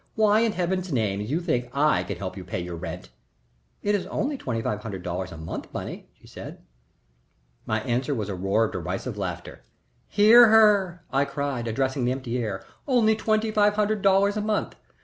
"Why in Heaven's name you think I can help you to pay your rent " "It is only twenty five hundred dollars a month, Bunny," she said. My answer was a roar of derisive laughter. "Hear her!" I cried, addressing the empty air. "Only twenty five hundred dollars a month!